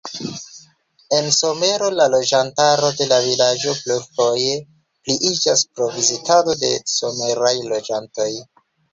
En somero la loĝantaro de la vilaĝo plurfoje pliiĝas pro vizitado de someraj loĝantoj.